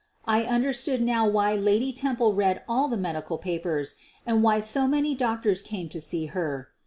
I understood now why Lady Temple read all the medical papers and why so many doctors came to see her.